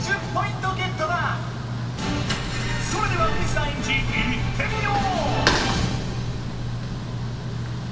それでは水田エンジいってみよう！